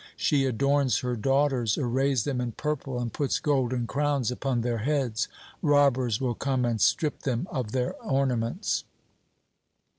She adorns her daughters, arrays them in purple, and puts golden crowns upon their heads. Robbers will come and strip them of their ornaments."